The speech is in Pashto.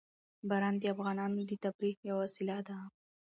باران د افغانانو د تفریح یوه وسیله ده.